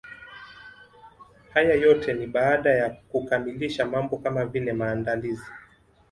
Haya yote ni baada ya kukamilisha mambo kama vile maandalizi